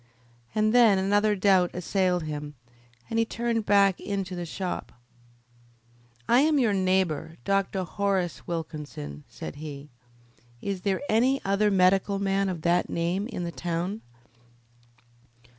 And then another doubt assailed him, and he turned back into the shop. "I am your neighbour, Dr. Horace Wilkinson," said he. "Is there any other medical man of that name in the town?"